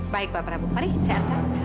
baik pak prabu mari saya atas